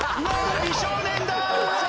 美少年だー！